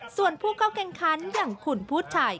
ส่วนผู้เข้าแข่งขันอย่างคุณผู้ชาย